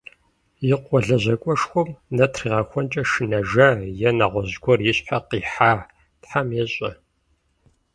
И къуэ лэжьакӀуэшхуэм нэ тригъэхуэнкӀэ шынэжа, е нэгъуэщӀ гуэр и щхьэ къихьа, Тхьэм ещӏэ.